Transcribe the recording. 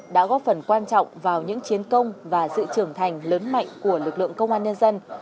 đã góp phần quan trọng vào những chiến công và sự trưởng thành lớn mạnh của lực lượng công an nhân dân